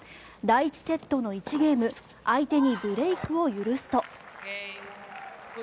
第１セットの１ゲーム相手にブレークを許すと。